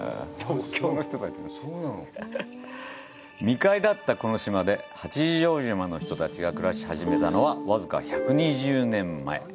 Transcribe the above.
未開だったこの島で八丈島の人たちが暮らし始めたのは僅か１２０年前。